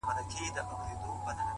یوه ورځ عطار د ښار د باندي تللی!.